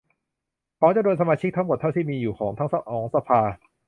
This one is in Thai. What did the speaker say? ของจำนวนสมาชิกทั้งหมดเท่าที่มีอยู่ของทั้งสองสภา